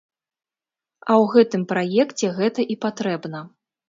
А ў гэтым праекце гэта і патрэбна.